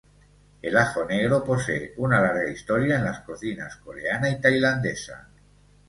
El ajo negro posee una larga historia en las cocinas coreana y tailandesa.